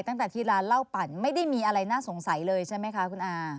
ตั้งแต่ที่ร้านเหล้าปั่นไม่ได้มีอะไรน่าสงสัยเลยใช่ไหมคะคุณอา